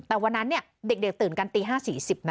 แต่วันนั้นเด็กตื่นกันตี๕๔๐นะ